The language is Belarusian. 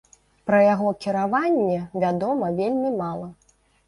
Пра яго кіраванне вядома вельмі мала.